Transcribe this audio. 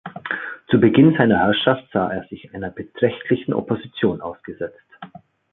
Zu Beginn seiner Herrschaft sah er sich einer beträchtlichen Opposition ausgesetzt.